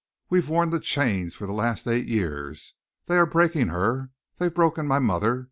"We've worn the chains for the last eight years. They are breaking her. They've broken my mother.